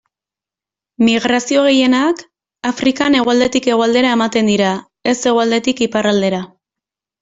Migrazio gehienak Afrikan hegoaldetik hegoaldera ematen dira, ez hegoaldetik iparraldera.